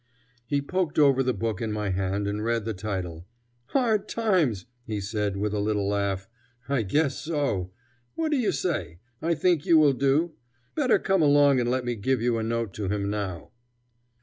He poked over the book in my hand and read the title. "Hard Times," he said, with a little laugh. "I guess so. What do you say? I think you will do. Better come along and let me give you a note to him now."